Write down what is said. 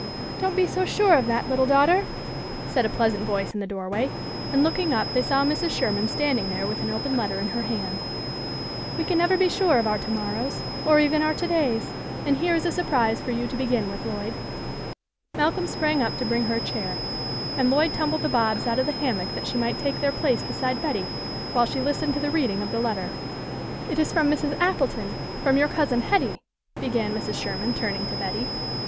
" Don't be so sure of that, little daughter," said a pleasant voice in the doorway, and looking up, they saw Mrs. Sherman standing there with an open letter in her hand. "We can never be sure of our 28 THE LITTLE COLONEL'S HOLIDAYS. to morrows, or even our to days, and here is a surprise for you to begin with, Lloyd." Malcolm sprang up to bring her a chair, and Lloyd tumbled the Bobs out of the hammock that she might take their place beside Betty, while she listened to the reading of the letter. " It is from Mrs. Appleton from your Cousin Hetty," began Mrs. Sherman, turning to Betty.